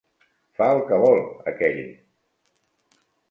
Fa el que vol, aquell.